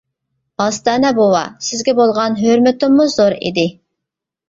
ئاستانە بوۋا، سىزگە بولغان ھۆرمىتىممۇ زور ئىدى.